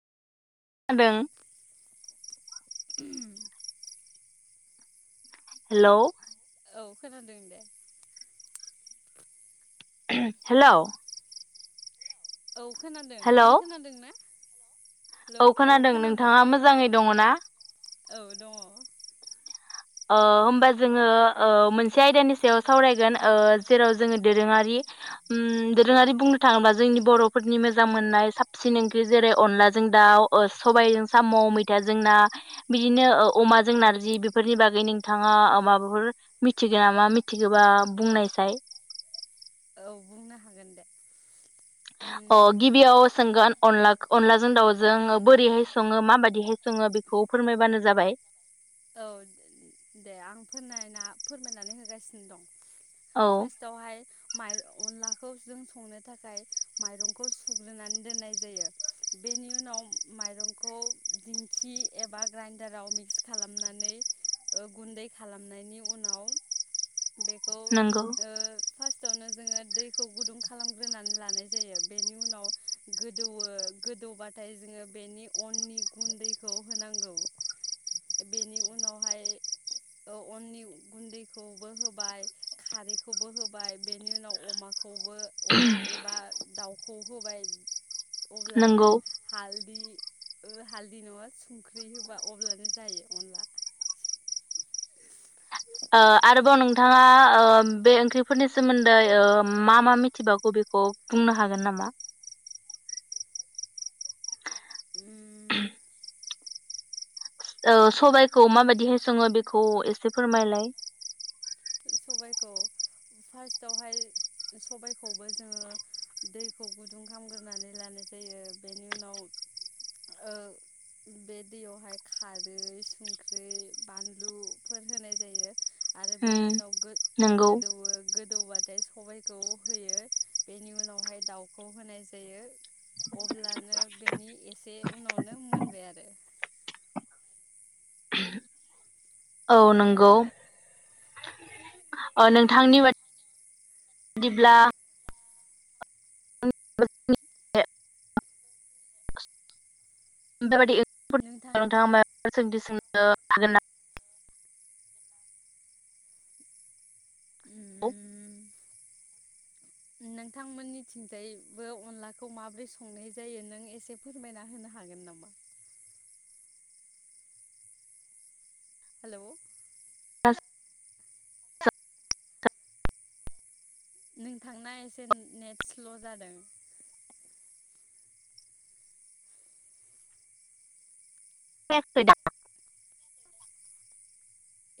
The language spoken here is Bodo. जादों हेल' औ खोनादों दे। हेलौ औ खोनादों हेलौ नों खोनादों ना? औ खोनादों नोंथाङा मोजाङै दङना? औ दङ। ओ होमबा जोङो ओ मोनसे आयदानि सायाव सावरायगोन जेराव जोङो दोरोङारि दोरोङारि बुंनो थाङोबा जोंनि बरफोरनि मोजां मोननाय साबसिन ओंख्रि जेरै अनलाजों दाउ, सबायजों साम, मैथाजों ना बिदिनो अमाजों नारजि बेफोरनि बागै नोंथाङा माबाफोर मिथिगौ नामा मिथिगबा बुंनायसाय। औ बुंनो हागोन दे। अ उम गिबियाव सोंगोन अनला अनलाजों दाउजों बोरैहाय सङो माबायदिहाय सङो बेखौ फोरमायबानो जाबाय। औ दे आं फोरमायना फोरमायनानै होगासिनो दं। औ फारस्ट आव हाय माइ अनलाखौ जों संनो थाखाय माइरंखौ सुग्रोनानै दोननाय जायो बेनि उनाव माइरंखौ दिंखि एबा ग्राइडाराव मिक्स खालामनानै ओ गुन्दै खालामनायनि उनाव बेखौ ओ नंगौ फार्स्ट फार्स्टावनो जोङो दैखौ गुदुं खालामग्रोनानै लानाय जायो बेनि उनाव गोदौवो गोदौबाथाय जोङो बेनि अननि गुनदैखौ होनांगौ। बेनि उनावहाय अननि गुन्दैखौबो होबाय खारैखौबो होबाय बेनि उनाव अमाखौबो अमा एबा दाउखौ होबाय अब्लानो नंगौ हाल्दि ओ हाल्दि नङा संख्रि होबा अब्लानो जायो अनला। ओ आरोबाव नोंथाङा बे ओंख्रिफोरनि सोमोन्दै मा मा मिथिबावागौ बेखौ बुंनो हागोन नामा? उम ओ सबायाइखौ माबाददिहाय सोङो बेखौ एसे फोरमायलाय? सबायखौ फार्टआवहाय सबायखौबो जोङो दैखौ गुदुं खालामग्रोनानै लानाय जायो बेनि उनाव ऐ बे दैयावहाय खारै, संख्रि, बानलुफोर होनाय जायो आरो उम बेनि उनाव नंगौ गो-गोदौवो गोदौबाथाय सबायखौ होयो बेनि उनावहाय दाउखौ होनाय जायो अब्लानो बेनि एसे उनावनो मोनबाय आरो औ नंगौ ओ नोंथांनि बाद बायदिब्ला [unintelligible] [unintelligible] नोंथां [unintelligible] उम [inaudible] नोंथांमोननिथिंजायबो अनलाखौ माबोरै संनाय जायो नों एसे फोरमायना होनो हागोन नामा? हेल' [unintelligible] नों थांना एसे नेट स्ल' जादों। [unintelligible]